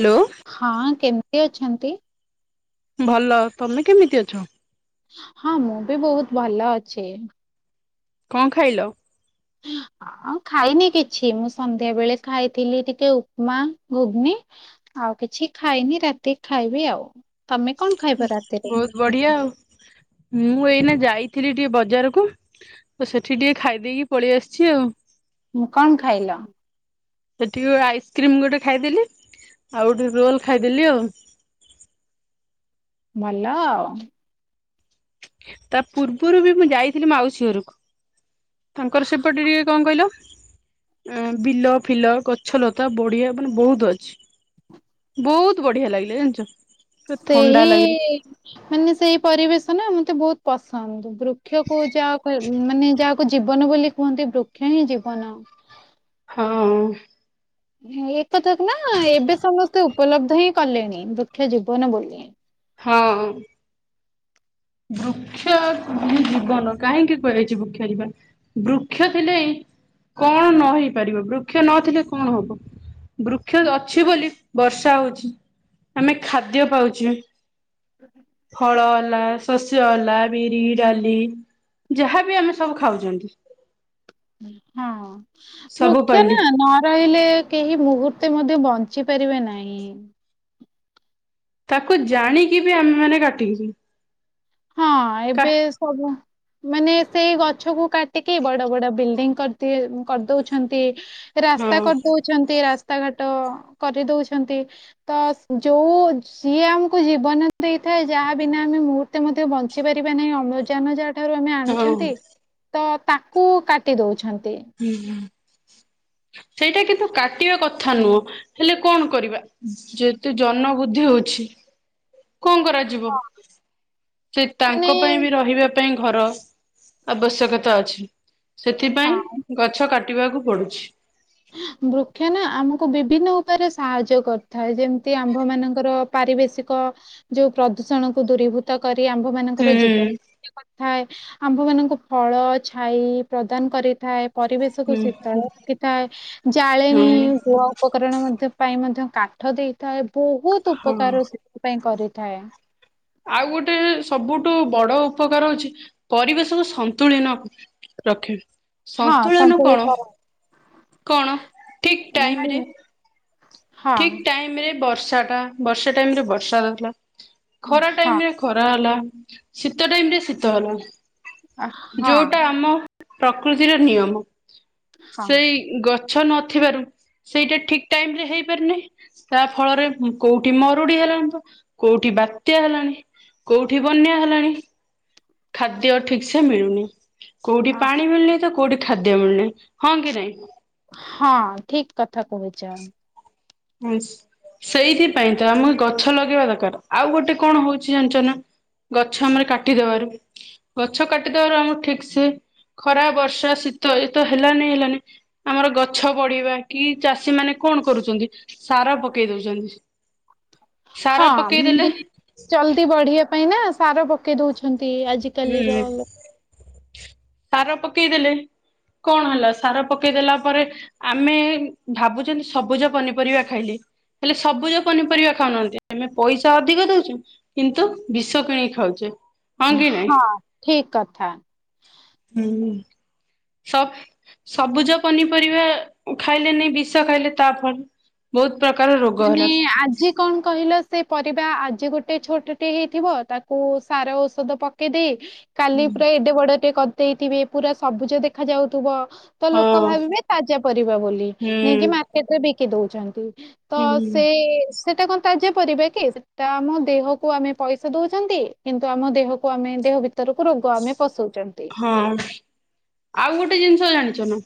Hello ହଁ କେମତି ଅଛନ୍ତି? ଭଲ ତମେ କେମିତି ଅଛ? ହଁ ମୁଁ ବି ବହୁତ ଭଲ ଅଛି। କଣ ଖାଇଲ? ହଁ ଖାଇନି କିଛି। ମୁଁ ସନ୍ଧ୍ୟା ବେଳେ ଖାଇଥିଲି, ଟିକେ ଉପମା ଘୁଗ୍ ନି ଆଉ କିଛି ଖାଇନି ରାତିକି ଖାଇବି ଆଉ ତମେ କଣ ଖାଇବ ରାତିରେ? ବହୁତ ବଢିଆ ଆଉ ମୁଁ ଏଇନା ଯାଇ ଥିଲି ଟିକେ ବଜାରକୁ ତ, ସେଠି ଟିକେ ଖାଇ ଦେଇଇକି ପଳେଇ ଆସିଛି ଆଉ। ହୁଁ କଣ ଖାଇଲ? ସେଠିକି ଆଇସ୍କ୍ରିମ ଗୋଟେ ଖାଇଦେଲି, ଆଉ ଗୋଟେ ରୋଲ ଖାଇଦେଲି ଆଉ। [inaudible] ଭଲ ଆଉ। ତା ପୂର୍ବରୁ ବି, ମୁଁ ଯାଇଥିଲି ମାଉସୀ ଘରକୁ। ତାଙ୍କର ସେପଟେ ଟିକେ କଣ କହିଲ ଆ ବିଲ ଫିଲ ଗଛଲତା ବଢିଆ ମାନେ ବହୁତ ଅଛି। ବହୁତ ବଢିଆ ଲାଗିଲା ଜାଣିଛ। ପୁରା ଥଣ୍ଡା ଲାଗିଲା ସେହି ମାନେ ସେଇ ପରିବେଶ ନା ମତେ ବହୁତ ପସନ୍ଦ। ବୃକ୍ଷକୁ ଯାହା ମାନେ ଯାହାକୁ, ଜୀବନ ବୋଲି କୁହନ୍ତି ବୃକ୍ଷ ହିଁ ଜୀବନ। ହଁ। ଏ କଥାକୁ ନା ଏବେ, ସମସ୍ତେ ଉପଲବ୍ଧ ହିଁ କଲେଣି ବୃକ୍ଷ ଜୀବନ ବୋଲି। ହଁ ବୃକ୍ଷ ହଁ ଜୀବନ କାହିଁକି କୁହାଯାଇଛି? ବୃକ୍ଷ ଜୀବନ ବୃକ୍ଷ ଥିଲେ କଣ ନ ହେଇପାରିବ। ବୃକ୍ଷ ନଥିଲେ କଣ ହବ? ବୃକ୍ଷ ଅଛି ବୋଲି ବର୍ଷା ହଉଛି, ଆମେ ଖାଦ୍ୟ ପାଉଛେ ଫଳ ହେଲା। ଶସ୍ୟବାଲା ବିରି, ଡାଲି ଯାହାବି ଆମେ ସବୁ ଖାଉଛନ୍ତି ହଁ ସବୁ ବୃକ୍ଷ ପାଇଲେ ନା ନ ରହିଲେ କେହି ମୁହୂର୍ତ୍ତେ ମଧ୍ୟ ବଞ୍ଚି ପାରିବେ ନାହିଁ ତାକୁ ଜାଣିକି ବି ଆମେ ମାନେ କାଟିକିଛୁ ହଁ ଏବେ ସବୁ ମାନେ ସେଇ ଗଛ କୁ କାଟିକି ବଡ ବଡ ବିଲଡିଂ କରିଦି କରିଦଉଛନ୍ତି। ରାସ୍ତା ହଁ କରିଦଉଛନ୍ତି ରାସ୍ ରାଘାଟ କରିଦଉଛନ୍ତି ତ ଯୋଉ ଯିଏ ଆମକୁ ଜୀବନ ଦେଇ ଯାହା ବିନା ଆମେ ମୁତ୍ ଏତେ ମଧ୍ୟ ବଞ୍ଚି ପାରିବା ନାହିଁ ଅମ୍ଳଜାନ ଯାହା ଠାରୁ ଆମେ ହଁ ଆଣୁଛନ୍ତି ତ ତାକୁ କାଟି ଦଉଛନ୍ତି। ହୁଁ ହ। ସେଇଟା କିନ୍ତୁ କାଟିବା କଥା ନୁହଁ ହେଲେ କଣ କରିବା ଯେହେତୁ ଜନ ବୁଦ୍ଧି ହଉଛି। ପକ୍ଷୀ କଣ କରାଯିବ ହଁ, ସେ ମାନେ ତାଙ୍କ ପାଇଁ ବି ରହିବା। ଆବଶ୍ୟ ସେଥି ହଁ ଗ କଟକୁ ପଡୁଛି। ବୃକ୍ଷ ନା ଆମକୁ ବିଭିନ୍ନ ଉପାୟରେ ସାହାଯ୍ୟ କରିଥାଏ ଯେମିତି ଆମ୍ଭ ମାନଙ୍କର ପାରିବେଶିକ ଯୋଉ ପ୍ରଦୂଷଣ କୁ ଦୂରୀଭୂତ କରି ଆମ୍ଭ ମାନଙ୍କର ଜୀବନ ହୁଁ ଥାଏ ଆମ୍ଭ ମାନଙ୍କୁ ଫଳ ଛାଇ ପ୍ରଦାନ କରିଥାଏ। ପରିବେଶକୁୁ ହୁଁ ଶୀତଳ ରଖିଥାଏ, ଜାଳେଣି ହଁ ଗୁଆ ଉପକରଣ ପାଇଁ ମଧ୍ୟ କାଠ ଦେଇଥାଏ ବହୁତ ହଁ। ଉପକାର ସେଥିପାଇଁ କରିଥାଏ। ଆଉ ଗୋଟେ ସବୁଠୁ ବଡ ଉପକାର ହଉଛି ପରିବେଶ ତ ସନ୍ତୁଳନ କ ରଖେ ହଁ ସନ୍ତୁଳନ କଣ? ସନ୍ତୁଳିତ କଣ ଠିକ ଟାଇମରେ ମାନେ ହଁ ଠିକ ଟାଇମ ବର୍ଷା ଟା ବର୍ଷା ଟାଇମ ରେ ବର୍ଷା ଦେଲା ଖରା ହଁ ଟାଇମ ରେ ଖରା ହେଲା। ଶୀତ ଟାଇମ ରେ ଶୀତ ହେଲା ହଁ ଯୋଉଟା ଆମ ପ୍ରକୃତିର ନିୟମ ସେଇ ହଁ ଗଛ ମିଛ ନଥିବାରୁ ସେଇଟା ଠିକ ଟାଇମ ରେ ହେଇପାରୁନି ତା ଫଳରେ କୋଉଠି ମରୁଡି ହେଲାଣି ତ କୋଉଠି ବାତ୍ୟା ହେଲାଣି କୋଉଠି ବନ୍ୟା ହେଲାଣି। ଖାଦ୍ୟ ଠିକ ସେ ମିଳୁନି କୋଉଠି ପାଣି ମିଳୁନି ତ କୋଉଠି ଖାଦ୍ୟ ମିଳିଲ ହଁ କି ନାଇଁ ହଁ ଠିକ କଥା କହୁଛ ହୁଁ। ସେଇଥିପାଇଁ ତ ଆମକୁ ଗଛ ଲଗେଇବା ଦରକାର ଆଉ ଗୋଟେ କଣ ହଉଛି ଅଞ୍ଚନା ଗଛ ଆମର କାଟିଦବାରୁ ଗଛ କାଟିଦବାରୁ ଆମର ଠିକ ସେ ଖରା ବର୍ଷା ଶୀତ ଏତ ହେଲାନି, ହେଲାନି ଆମର ଗଛ ବଢିବା କି ଚାଷୀ ମାନେ କଣ କରୁଛନ୍ତି ସାର ପକେଇ ଦଉଛନ୍ତି। ସାର ହଁ ପକେଇଦେଲେ ଚଲଦି ବଢିବା ପାଇଁ ନା ସାର ପକେଇ ଦଉଛନ୍ତି। ହୁଁ ଆଜିକାଲିର ସାର ପକେଇଦେଲେ କଣ ହେଲା ସାର ପକେଇ ଦେଲା ପରେ ଆମେ ଭାବୁଛନ୍ତି, ସବୁଜ ପନିପରିବା ଖାଇଲେ ହେଲେ ସବୁଜ ପନିପରିବା ଖାଉନାହାନ୍ତି, ଆମେ ପଇସା ଅଧିକ ଦଉଛୁ କିନ୍ତୁ ବିଷ କିଣିକି ଖାଉଛେ କି ନାଇଁ ହଁ ଠିକ କଥା ହଁ ସବ ସବୁଜ ପନିପରିବା ଖାଇଲେ ନାଇ ବିଷ ଖାଇଲେ ତା ଫରେ ବହୁତ ପ୍ରକାର ରୋଗ ମାନେ ହେଲା ଆଜି କଣ କହିଲ ସେ ପରିବା ଆଜି ଗୋଟେ ଗୋଟେ ଛୋଟ ଟେ ହେଇଥିବ ତାକୁ ସାର ଔଷଧ ପକେଇ ଦେଇେଇ କାଲି ପୁରା ଏଟେ ବଡ ଟିକେ ଦେଇଥିବେ ପୁରା ସବୁଜ ଦେଖାଯାଉଥିବ। ତ ଲୋକ ହଁ ଭାବିବେ ତାଜା ପରିବା ବୋଲି ହୁଁ ନେଇାଇକି ମାର୍କେଟରେ ବିକି ଦଉଛନ୍ତି। ତ ହୁଁ ସେଇ ସେଟା କଣ ତା ପରିବା କି ସେଟା ଆମ ଦେହକୁ ଆମେ ପଇସା ଦଉଛନ୍ତି କିନ୍ତୁ ଆମ ଦେହକୁ ଆମେ ଦେହ ଭିତରକୁ ରୋଗ ଆମେ ପଶୁଛୁ ହଁ ଆଉ ଗୋଟେ ଜିନିଷ ଜାଣିଛ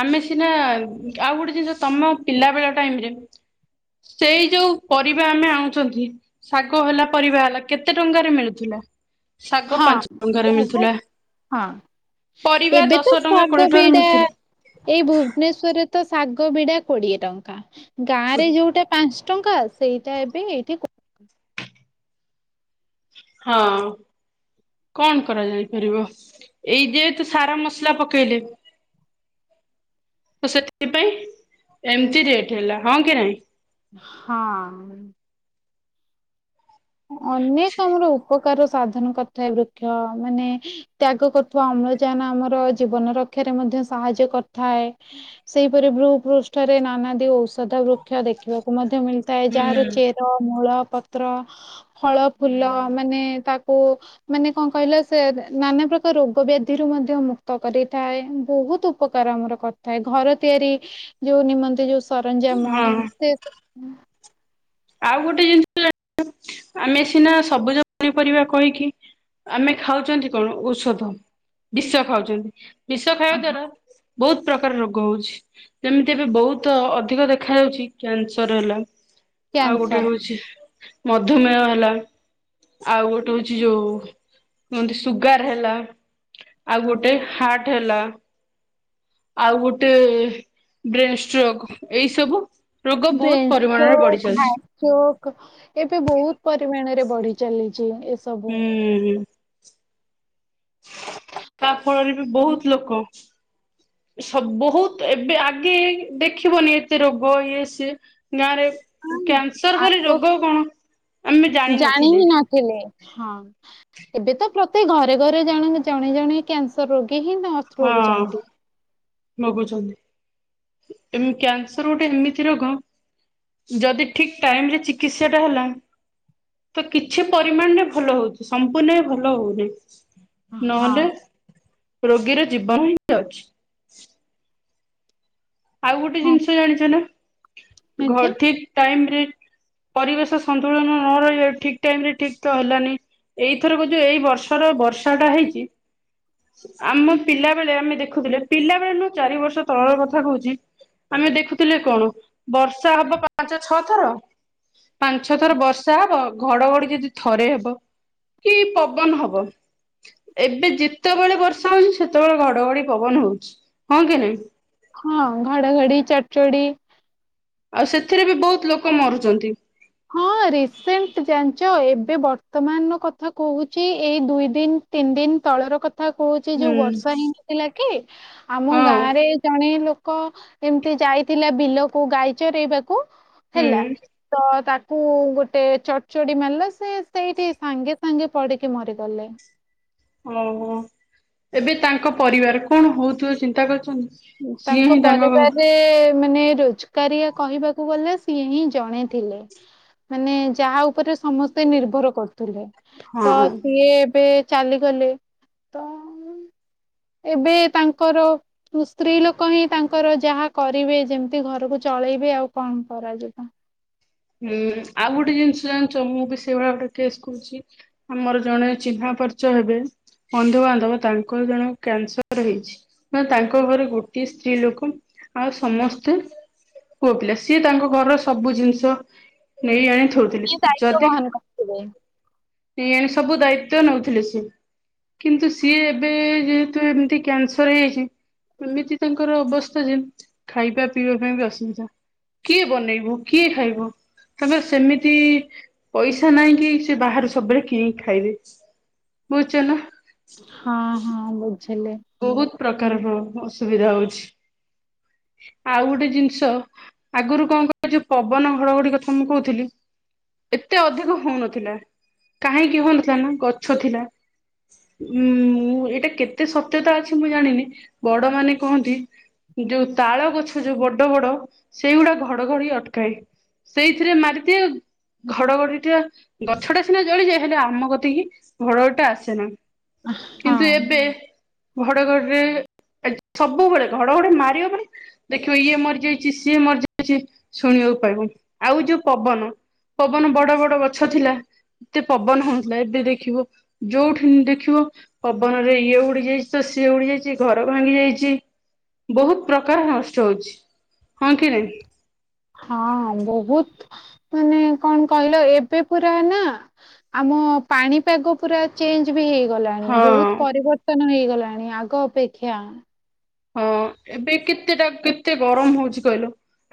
ଆମେ ସିନା ଆଉ ଗୋଟେ ଜିନିଷ ତମ ପିଲା ବେଳ ଟାଇମରେ । ସେଇ ଯୋଉ ପରିବା ଆମେ ଆଣୁଛନ୍ତି ଶାଗ ହେଲା ପରିବା ହେଲା କେତେ ଟଙ୍କାରେ ମିଳୁଥିଲା? ଶାଗ ହଁ ପାଞ୍ଚ ଟଙ୍କାରେ ବହୁତ ମିଳୁଥିଲା । ହଁ ଏବେ ତ ଟଙ୍କା ଶାଗ କୋଡିଏ ଟଙ୍କାରେ ବିଡା ମିଳୁଥିଲା। ଏଇ ଭୁବନେଶ୍୍ୱରରେ ତ ଶାଗ ବିଡା କୋଡିଏ ଟଙ୍କା ଗାଁ ହଁ ରେ ଯୋଉଟା ପାଞ୍ଚ ଟଙ୍କା ସେଇଟା ଏବେ ଏଇଠି ହଁ କଣ କରାଯାଇପାରିବ ଏଇ ଯେହେତୁ ସାରା ମସ ଥିଲା ପକେଇଲେ ତ ସେଥିପାଇଁ ଏମିତି ରେଟ ହେଲା ହଁ କି ନାଇଁ ହଁ ଅନେକ ଆମର ଉପ କାର ସାଧନ କରିଥାଏ ବୃକ୍ଷ ମାନେ ତ୍ୟାଗ କରୁଥିବା ଅମ୍ଳଜାନ ଆମର ଜୀବନ ରକ୍ଷା ମଧ୍ୟ ସାହାଯ୍ୟ କରିଥାଏ ସେହିପରି ଭୃ ପୃଷ୍ଠରେ ନାନାଦି ଔଷଧ ବୃକ୍ଷ ଦେଖିବାକୁ ମଧ୍ୟ ମଧ୍ୟ ମିଳିଥାଏ ଯାହାର ହୁଁ ଚେର ମୂଳ ପତ୍ର । ଫଳ ଫୁଲ ମାନେ ତା ମାନେ କଣ କହିଲା ସେ ନାନା ପ୍ରକାର ରୋଗ ବ୍ୟାଧିରୁ ମଧ୍ୟ ମୁକ୍ତ କରିଥାଏ ବହୁତ ଉପକାର ଆମର କରିଥାଏ ଘର ତିଆରି ଯୋଉ ନିମନ୍ତେ ଯୋଉ ସରଞ୍ଜାମ ହଁ ସେ ଆଉ ଗୋଟେ ଜିନିଷ [unintelligible] ଆମେ ସିନା ସବୁଜ ପନିପରିବା କହିକି ଆମେ ଖାଉଛନ୍ତି କଣ ଔଷଧ ବିଷ ଖାଉଛନ୍ତି ବିଷ ଖାଇବା ଦ୍ଵାରା ବହୁତ ପ୍ରକାର ରୋଗ ହଉଛି ଯେମିତି ଏବେ ବହୁତ ଅଧିକ ଦେଖାାଯାଉଛି କ୍ୟାନସର ହେଲା ଆଉ ଗୋଟେ କ୍ୟାନସର ହଉଚି ମଧୁମେୟ ହେଲା। ଆଉ ଗୋଟେ ହଉଛି ଯୋଉ କୁହନ୍ତି ସୁଗାର ହେଲା। ଆଉ ଗୋଟେ ହାଟ୍ ହେଲା ଆଉ ଗୋଟେ ବ୍ରେନ୍ ଷ୍ଟ୍ରୋକ ଏଇ ସବୁ। ରୋଗ ବହୁତ ପରିମାଣରେ ବଢି ଚାଲି ହାଟ୍ ଚୋକ୍ ଏବେ ବହୁତ ପରିମାଣରେ ବଢି ଚାଲିଚି ଏତ୍ ହୁଁ ହୁଁ। ତା ଫଳରେ ବି ବହୁତ ଲୋକ। ସ ବହୁତ ଏବେ ଆଗେ ଦେଖିବନି ଏତେ ରୋଗ ଇଏ ସିଏ । ଗାଁ ରେ କ୍ୟାନସର ବୋଲି ଆଗ ରୋଗ କଣ ଆମେ ଜାଣି ଜାଣିନଥିଲେ ହିଁ ନାଥିଲେ ହଁ। ଏବେ ତ ପ୍ରତି ଘରେ ଘରେ ଜଣେ ଜଣେ ଜଣେ କ୍ୟାନସର ରୋଗୀ କେହି ନର୍ଥ ରହୁଚନ୍ତି। ଭୋଗୁଚନ୍ତି ଏମ୍ କ୍ୟାନସର ଗୋଟେ ଏମିତି ରୋଗ ଯଦି ଠିକ ଟାଇମ ରେ ଚିକିତ୍ସା ଟା ହେଲା ତ କିଛି ପରିମାଣ ରେ ଭଲ ହଉଛି ସମ୍ପୂର୍ଣ୍ଣ ଏ ଭଲ ହଉନି। ହଁ। ନହେଲେ ରୋଗୀର ଜୀବନ ହିଁ ଯାଉଚି। ଆଉ ଗୋଟେ ହଁ ଜିନିଷ ଜାଣିଚ ନା ଘ ଆଜ୍ଞା ଠିକ ଟାଇମ ରେ ପରିବେଶ ସନ୍ତୁଳନ ନ ରହିଲେ ଠିକ୍ ଟାଇମ୍ ରେ ଠିକ୍ ତ ହେଲାନି। ଏଇଥରକ ଯୋଉ ଏଇ ବର୍ଷର ବର୍ଷା ଟା ହେଇଚି ଆମ ପିଲା ବେଳେ ଆମେ ଦେଖୁଥିଲେ ପିଲା ବେଳେ ନୁ ଚାରି ବର୍ଷ ତଳର କଥା ଥା କହୁଛି ଆମେ ଦେଖୁଥିଲେ କଣ ବର୍ଷା ହବ ପାଞ୍ଚ ଛଅ ଥର ପାଞ୍ଚ ଛଥର ବର୍ଷା ହବ ଘଡଘଡି ଯଦି ଥରେ ହବ। କି ପବନ ହବ। ଏବେ ଯେତେବେଳେ ବର୍ଷା ହଉଛି ସେତେବେଳେ ଘଡଘଡି ପବନ ହଉଚି ହଁ କି ନାଇଁ? ହଁ ଘଡ଼ଘଡ଼ି ଚଡ୍ ଚଡି ଆଉ ସେଥିରେ ବି ବହୁତ ଲୋକ ମରୁଚନ୍ତି। ହଁ ରିସେଣ୍ଟ ଜାଣିଛ ଏବେ ବର୍ତ୍ତମାନ ର କଥା କହୁଛି ଏଇ ଦୁଇ ଦିନ ତିନ୍ ଦିନ ତଳର କ ଥା କହୁଛି ହୁଁ ଯୋଉ ବର୍ଷା ହେଇନଥିଲା କି ଆମ ଗାଁ ହଁ ରେ ଜଣେ ଲୋ କ ଏମିତି ଯାଇଥିଲା ବିଲକୁ ଗାଈ ଚରେଇବାକୁ ହୁଁ ହେଲା ତ ତାକୁ କୁ ଗୋଟେ ଚଡ୍ ଚଡି ମାରିଲା ସେ ସେଇଠି ସାଙ୍ଗେ ସାଙ୍ଗେ ପଡିକି ମରିଗଲେ। ଓହୋ ଏବେ ତାଙ୍କ ପରିବାର କଣ ହଉଥିଵେ ଚିନ୍ତା କରୁଚନ୍ତି। ତାଙ୍କ ପରିବାରରେ ମାନେ ରୋଜ୍ କାରିଆ କହିବାକୁ ଗଲେ ସିଏ ହିଁ ଜଣେଥିଲେ। ମାନେ ଯାହା ଉପରେ ସମସ୍ତେ ନିର୍ଭର କରୁଥିଲେ ତ ହଁ। ସିଏ ଏବେ ଚାଲିଗଲେ ତ ଏବେ ତାଙ୍କର ସ୍ତ୍ରୀ ଲୋକ ହିଁ ତାଙ୍କର ଯାହା କରିବେ ଯେମିତି ଘରକୁ ଚଳେଇବେ ଆଉ କଣ କରାଯିବ। ହୁଁ ଆଉ ଗୋଟେ ଜିନିଷ ଜାଣିଚ ମୁଁ ବି ସେଇଭଳିଆ ଗୋଟେ କେସ୍ କହୁଚି ଆମର ଜଣେ ଚିହ୍ନା ପର୍ଚ୍ଚ ହେବେ। ବନ୍ଧୁବାନ୍ଧବ ତାଙ୍କର ଜଣଙ୍କୁ କ୍ୟାନସର ହେଇଛି ନା ତାଙ୍କ ଘରେ ଗୋଟିଏ ସ୍ତ୍ରୀ ଲୋକ ଆଉ ସମସ୍ତେ ପୁଅ ପିଲା ସିଏ ତାଙ୍କ ଘରର ସବୁ ଜିନିଷ ନେଇ ଆଣେ ଥୋଉଥିଲେ କିଏ ଦାୟିତ୍ୱ ଯଦି ବହନ କରିଥିବେ ସିଏ ସବୁ ଦାୟିତ୍ଵ ନଉଥିଲେ ସି କିନ୍ତୁ ସିଏ ଏବେ ଜେହେ ଏମିତି କ୍ୟାନ୍ ସର ହେଇଯାଇଚି ଏମିତି ତାଙ୍କର ଅବସ୍ଥା ଯେ ଖାଇବା ପିଇବା ପାଇଁ ବି ଅସୁବିଧା। କିଏ ବନେଇବୁ କିଏ ଖାଇବୁ? ତପ ସେମିତି ପଇସା ନାହିଁ କିି ସେ ବାହାରୁ ସବୁବେଳେ କିନିଖାଇବେି ବୁଝିଛ ନା ହଁ ହଁ ବୁଝିଲେ ବହୁତ ପ୍ରକାରର ଅସୁବିଧା ହଉଛି । ଆଉ ଗୋଟେ ଜିନିଷ ଆଗରୁ କଣ କ ପବନ ହଡଘଡି କଥା ମୁଁ କହୁଥିଲି ଏତେ ଅଧିକ ହଉନଥିଲା କାହିଁକି ହଉନଥିଲା ନା ଗଛ ଥିଲା ଉଁ ମୁଁ ଏଇଟା କେତେ ସତ୍ୟତା ଅଛି ମୁଁ ଜାଣିନି ବଡ ମାନେ କୁହନ୍ତି । ଯୋଉ ତାଳ ଗଛ ଯୋଉ ବଡ ବଡ ସେଇଗୁଡା ଘଡଘଡି ଅଟକାଏ ସେଇଥିରେ ମାରିଦିଏ । ଘଡଘଡି ଗଛ ଟା ସିନା ଜଳିଯାଏ ହେଲେ ଆମ କତିକି ଘଡଘଡିଟା ଆସେନା କିନ୍ତୁ ହଁ। ଏବେ ଘଡଘରରେ ସବୁବେଳେ ଘଡଘଡ ମାରିବ ମାନ ଦେଖିବ ଇଏ ମରିଯାଇଛି ସିଏ ମରିଯାଇଛି ଶୁଣିବ ଆଉ ଯୋଉ ପବନ ପବନ ବଡ ବଡ ଗଛ ଥିଲା ଏତେ ପବନ ହଉଥିଲା ଏବେ ଦେଖିବ ଯୋଉଠି ଦେଖିବ ପବନରେ ଇଏ ଉଡି ଯାଇ ସି ଉଡି ଯାଇଛି ଘର ଭାଙ୍ଗି ଯାଇଛି ବହୁତ ପ୍ରକାର ନଷ୍ଟ ହଉଛି ହଁ କିରେ ହଁ ବହୁତ ମାନେ କଣ କହିଲ ଏବେ ପୁରା ନା ଆମ ପାଣିପାଗ ପୁରା ଚେଞ୍ଜ ବି ହେଇଗ ଗଲାଣି ହଁ ବହୁତ ପରିବର୍ତ୍ତନ ହେଇଗଲାଣି ଆଗ ଅପେକ୍ଷା ହଁ ଏବେ କେତେଟା କେତେ ଗରମ ହଉଛି କହିଲ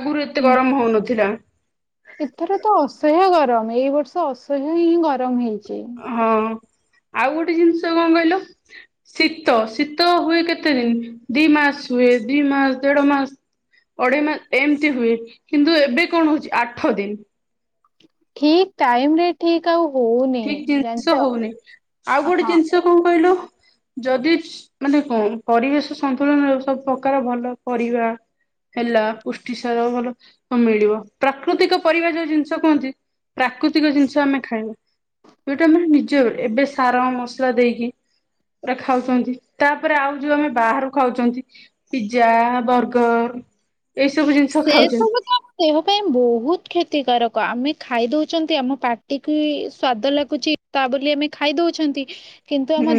ଆଗରୁ ଏତେ ଗରମ ହଉନଥିଲା । ଏଥର ତ ଅସହ୍ୟ ଗରମ ଏଇ ବର୍ଷ ଅସହ୍ୟ ହିଁ ଗରମ ହେଇଛି । ହଁ ଆଉ ଗୋଟେ ଜିନିଷ କଣ କହିଲ ଶୀତ ଶୀତ ହୁଏ କେତେ ଦିନ ଦି ମାସ ଶୋଇେ ଦୁଇ ମାସ ଦେଢ଼ ମାସ ଅଢେଇ ମାସ ଏମିତି ହୁଏ କିନ୍ତୁ ଏବେ କଣ ହଉଛି ଆଠ ଦିନ ଠିକ ଟାଇମ ରେ ଠିକ ଆଉ ହଉନି ଠିକ ଜିନିଷ ଜାଣିଛ ହଉନି ଆଉ ଗୋଟେ ହଁ। ଜିନିଷ କଣ କହିଲୁ ଯଦି ମାନେ କ ପରିବେଶ ସନ୍ତୁଳନ ସବୁ ପ୍ରକାର ଭଲ ପରିବା। ହେଲା ପୁଷ୍ଟି ସାର ଭଲ ମିଳିବ ପ୍ରାକୃତିକ ପରିବା ଯୋଉ ଜିନିଷ କୁହନ୍ତି। ପ୍ରାକୃତିକ ଜିନିଷ ଆମେ ଖାଇବା ଏଟା ମାନେ ନିଜ ଏବେ ସାର ମସଲା ଦେଇକି ପୁରା ଖାଉଛନ୍ତି ତାପରେ ଆଉ ଯୋଉ ଆମେ ବାହହାରାରୁ ଖାଉଛନ୍ତି ପିଜଜା ବର୍ଗର ହ। ସେ ସବୁ ତ ଆମ ଦେହ ପାଇଁ ବହୁତ କ୍ଷତି କ୍ଷତିକାରକ ଆମେ ଖାଇ ଦଉଛନ୍ତି ଆମ ପାଟିକୁ ସ୍ଵାଦ ଲାଗୁଛି ତା ବୋଲି ଆମେ ଖାଇଦଉଛନ୍ତି। ନ୍ତି। ହୁଁ।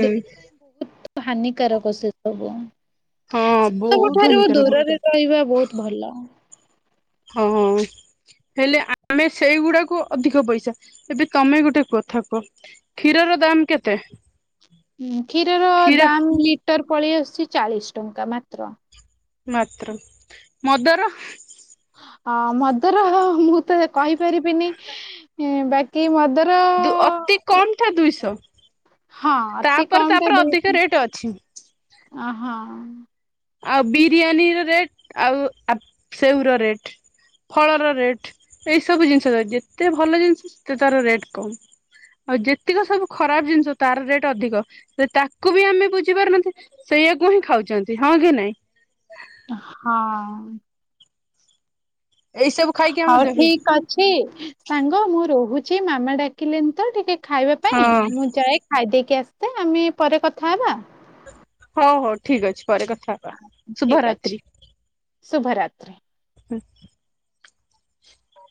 ହାନିିକାରକ ସେ ସବୁ ହଁ ସେ ସବୁ ବହୁତ ଠାରୁ ହାନିକାରକ ଦୂରରେ ରହିବା ବହୁତ ହ। ହଁ ହଁ। ହେଲେ ଆମେ ସେଇଗୁଡାକୁ ଅଧିକ ପଇସା ଏବେ ତମେ ଗୋଟେ କଥା କୁହ କ୍ଷୀରର ଦାମ କେତେ ହଁ କ୍ଷୀରର କ୍ଷୀର ଦାାମ ଲିଟର ପଳେଇ ଆସୁଛି ଚାଳିଶ ଟଙ୍କା ମାତ୍ର ମାତ୍ର ମଦର ଅ ମଦର ମୁଁ ତ କହିପାରିବିନି ବାକି ମଦର ଦୁ ଅତି କମ ଦୁଇଶହ ହଁ ଅତି ତାପରେ କମ ତାପରେ ଅଧିକ ରେଟ ଅଛି। ଅହୋ। ଆଉ ବିରିୟାନୀର ରେଟ୍ ଆଉ ସେଉର ରେଟ୍ ଫଳର ରେଟ୍ ଏଇ ସବୁ ଜିନିଷ ଯେତେ ଭଲ ଜିନିଷ ସେତେ ତାର ରେଟ୍ କମ ଆଉ ଯେତିକ ସବୁ ଖରାପ ଜିନିଷ ତାର ରେଟ ଅଧିକ ସେ ତାକୁ ବି ଆମେ ବୁଝି ପାରୁନାହାନ୍ତି ସେ କୁ ହିଁ ଖାଉଛନ୍ତି ହଁ କି ନାଇଁ- ହଁ। ଏଇ ସବୁ ଖାଇକି ଆମ ହଉ ଦେହ ଠିକ ଅଛି ସାଙ୍ଗ ମୁଁ ରହୁଛି ମାମା ଡାକିଲେନି ତ ଟିକେ ଖାଇବା ପାଇଁ ହଁ ମୁଁ ଯାଏ ଖାଇ ଦେଇେଇକି ଆସେ ଆମେ ପରେ କଥା ହେବା। ହଉ ହଉ ଠିକ ଅଛି ପରେ କଥା ହବା ଶୁଭରାତ୍ରି। ଶୁଭ ରାାତ୍ରି। [unintelligible]